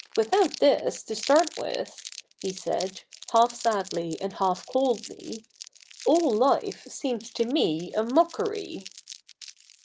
Without this, to start with,' he said, half sadly and half coldly, ' all life seems to me a mockery.'